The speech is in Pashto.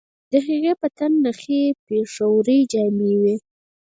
د هغې په تن نخي پېښورۍ جامې وې